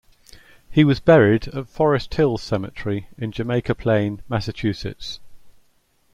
He was buried at Forest Hills Cemetery in Jamaica Plain, Massachusetts.